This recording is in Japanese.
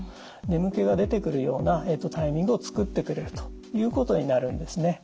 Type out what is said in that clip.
眠気が出てくるようなタイミングを作ってくれるということになるんですね。